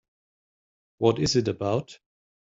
What is it about?